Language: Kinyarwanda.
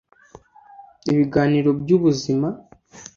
ibiganiro by’ ubuzima.